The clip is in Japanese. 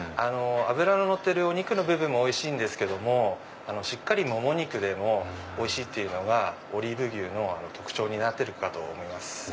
脂ののってるお肉の部分もおいしいんですけどもしっかりモモ肉でもおいしいっていうのがオリーブ牛の特徴になってるかと思います。